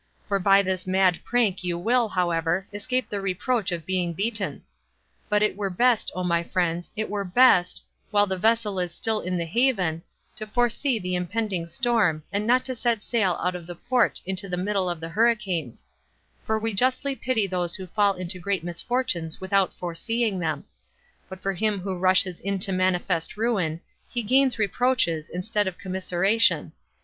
for by this mad prank you will, however, escape the reproach of being beaten. But it were best, O my friends, it were best, while the vessel is still in the haven, to foresee the impending storm, and not to set sail out of the port into the middle of the hurricanes; for we justly pity those who fall into great misfortunes without fore seeing them; but for him who rushes into manifest ruin, he gains reproaches [instead of commiseration].